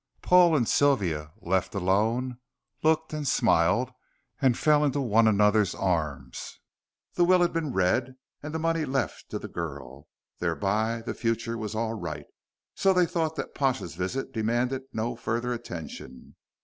Paul and Sylvia left alone looked and smiled and fell into one another's arms. The will had been read and the money left to the girl, thereby the future was all right, so they thought that Pash's visit demanded no further attention.